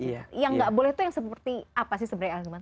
yang nggak boleh itu yang seperti apa sih sebenarnya ahilman